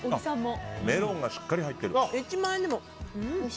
メロンがしっかり入ってる。